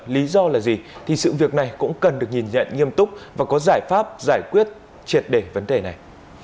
lý do là gì thì sự việc này cũng cần được nhìn nhận nghiêm túc và có giải pháp giải quyết triệt để vấn đề này